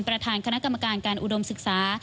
ประธานคณะกรรมการการอุดมศึกษา